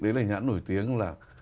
đấy là nhãn nổi tiếng là